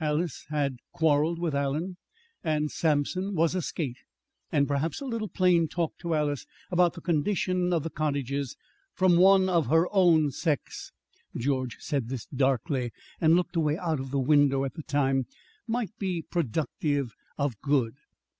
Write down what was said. Alys had quarreled with Allen, and Sampson was a skate. And perhaps a little plain talk to Alys about the condition of the cottages "from one of her own sex," George said this darkly and looked away out of the window at the time might be productive of good.